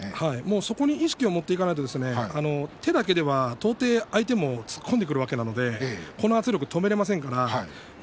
そこに意識を持っていかないと、手だけでは当然、相手も突っ込んでくるわけなのでその圧力を止められませんからね